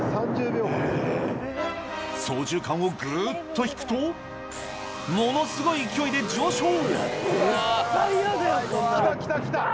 操縦かんをグっと引くとものすごい勢いで上昇きたきたきた！